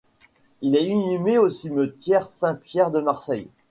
Il est inhumé au cimetière Saint-Pierre de Marseille.